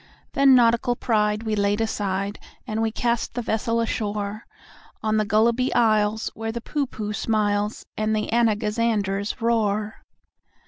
Then nautical pride we laid aside, And we cast the vessel ashore On the Gulliby Isles, where the Poohpooh smiles, And the Anagazanders roar.